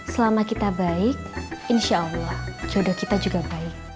selama kita baik insya allah jodoh kita juga baik